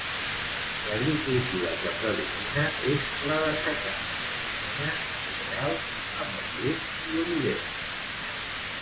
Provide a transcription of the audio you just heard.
L'agricultura que predomina és la de secà -vinyes, cereals ametllers i oliveres-.